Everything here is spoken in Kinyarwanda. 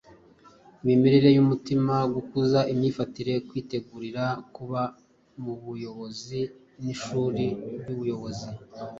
imimerere y’umutima.gukuza imyifatire, kwitegurira kuba mu buyobozi, n’ishuri ry’ubuyobozi.